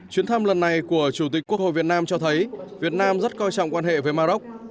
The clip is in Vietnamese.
chuyến thăm lần này của chủ tịch quốc hội việt nam cho thấy việt nam rất coi trọng quan hệ với maroc